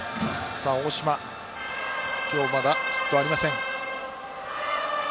大島は今日まだヒットがありません。